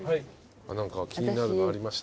何か気になるのありました？